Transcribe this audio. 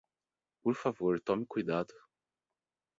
Por favor tome cuidado!